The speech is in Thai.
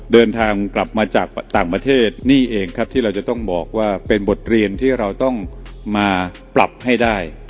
เดินทางกลับมาจากต่างประเทศนี่เองครับที่เราจะต้องบอกว่าเป็นบทเรียนที่เราต้องมาปรับให้ได้